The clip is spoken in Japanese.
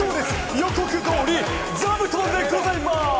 予告どおりザブトンでございます！